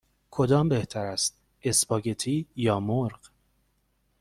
کدام بهتر است: اسپاگتی یا مرغ؟